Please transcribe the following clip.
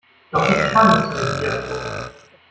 Doch wie kam es zu dem Fiasko?